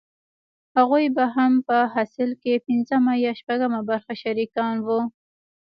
هغوې به هم په حاصل کښې پينځمه يا شپږمه برخه شريکان وو.